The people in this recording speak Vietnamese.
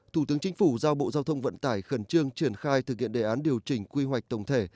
thủ tướng chính phủ giao bộ giao thông vận tải khẩn trương triển khai thực hiện đề án điều chỉnh quy hoạch tổng thể